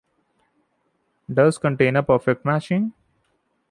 Does contain a perfect matching?